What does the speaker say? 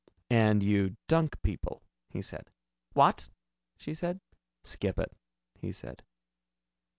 "And you dunk people," he said. "What?" she said. "Skip it," he said.